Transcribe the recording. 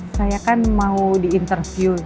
saya kan mau di interview